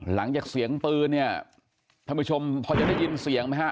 หลังจากเสียงปืนเนี่ยท่านผู้ชมพอจะได้ยินเสียงไหมฮะ